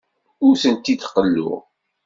Ur tent-id-qelluɣ.